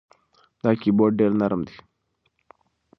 دا کیبورد ډېر نرم دی.